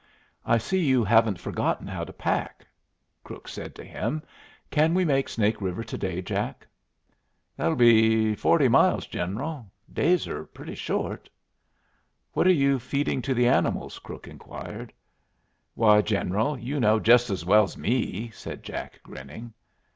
"I see you haven't forgotten how to pack," Crook said to him. "Can we make Snake River to day, Jack?" "That'll be forty miles, General. The days are pretty short." "What are you feeding to the animals?" Crook inquired. "Why, General, you know jest 's well 's me," said Jack, grinning.